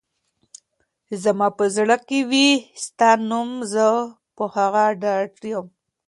زما په زړه کي وي ستا نوم ، زه په هغه ډاډه يم